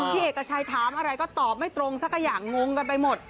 เอกชัยถามอะไรก็ตอบไม่ตรงสักอย่างงงกันไปหมด